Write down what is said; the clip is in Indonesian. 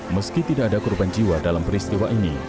meski tidak ada korban jiwa dalam peristiwa ini